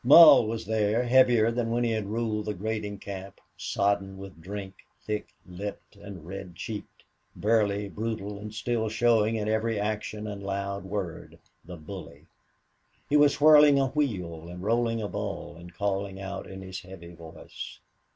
Mull was there, heavier than when he had ruled the grading camp, sodden with drink, thick lipped and red cheeked, burly, brutal, and still showing in every action and loud word the bully. He was whirling a wheel and rolling a ball and calling out in his heavy voice.